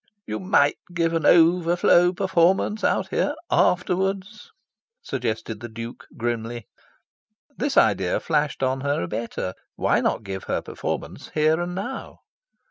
"You might give an 'overflow' performance out here afterwards," suggested the Duke, grimly. This idea flashed on her a better. Why not give her performance here and now?